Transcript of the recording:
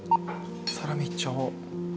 サラミいっちゃおう。